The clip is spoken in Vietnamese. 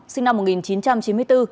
sinh năm một nghìn chín trăm chín mươi bốn